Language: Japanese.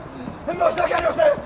申し訳ありません！